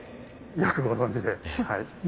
よくご存じではい。